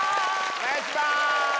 お願いします！